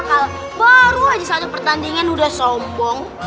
kalau baru saja saat pertandingan udah sombong